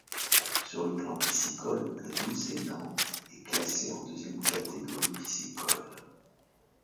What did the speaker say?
Sur le plan piscicole, le Douzenan est classé en deuxième catégorie piscicole.